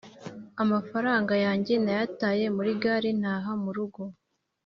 Amafaranga yange nayataye muri gare ntaha murugo